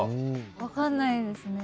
分かんないですね。